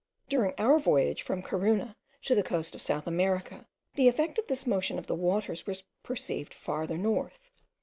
During our voyage from Corunna to the coast of South America, the effect of this motion of the waters was perceived farther north.